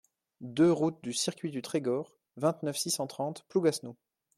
deux route du Circuit du Trégor, vingt-neuf, six cent trente, Plougasnou